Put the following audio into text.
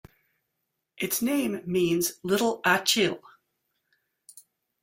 Its name means "Little Achill".